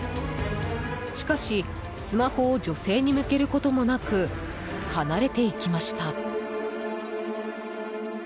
しかし、スマホを女性に向けることもなく離れていきました。